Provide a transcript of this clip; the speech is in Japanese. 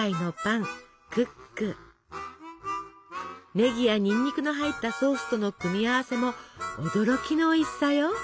ねぎやにんにくの入ったソースとの組み合わせも驚きのおいしさよ！